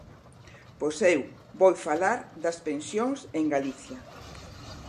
Pois eu vou falar das pensións en Galicia.